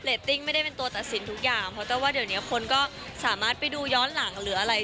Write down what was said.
ตติ้งไม่ได้เป็นตัวตัดสินทุกอย่างเพราะแต่ว่าเดี๋ยวนี้คนก็สามารถไปดูย้อนหลังหรืออะไร